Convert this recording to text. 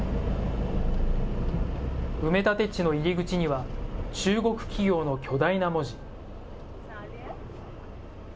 埋め立て地の入り口には中国企業の巨大な文字。